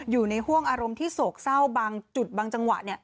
อยู่ในห่วงอารมณ์ที่โศกเศร้าบางจุดบางจังหวะ